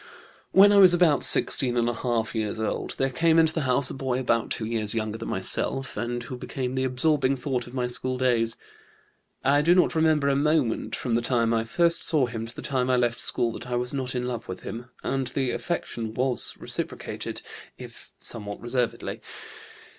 "When I was about 16½ years old there came into the house a boy about two years younger than myself, and who became the absorbing thought of my school days. I do not remember a moment, from the time I first saw him to the time I left school, that I was not in love with him, and the affection was reciprocated, if somewhat reservedly.